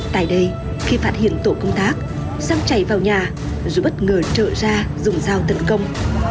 tại đây khi phát hiện tổ công tác xong chảy vào nhà dù bất ngờ trợ ra dùng dao tấn công